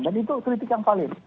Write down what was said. dan itu kritik yang paling